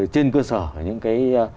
trên cơ sở những cái